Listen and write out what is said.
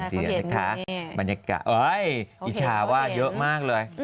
บรรยากาศอิชาว่าเยอะมากเลย